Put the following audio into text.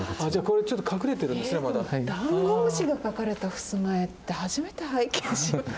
ダンゴムシが描かれたふすま絵って初めて拝見しました。